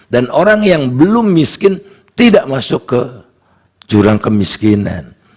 dan orang yang belum miskin tidak masuk ke jurang kemiskinan